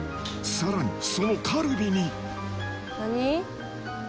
さらにそのカルビに何？